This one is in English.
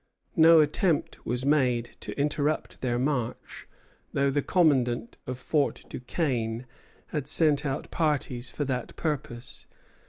No attempt was made to interrupt their march, though the commandant of Fort Duquesne had sent out parties for that purpose.